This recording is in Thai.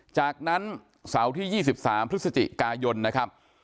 จากนั้นเสาร์ที่๒๓พฤศจิกายนนะครับ